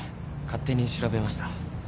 勝手に調べました。